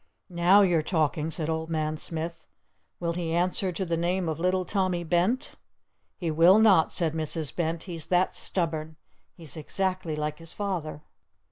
"Now you're talking!" said Old Man Smith. "Will he answer to the name of 'Little Tommy Bent?'" "He will not!" said Mrs. Bent "He's that stubborn! He's exactly like his Father!"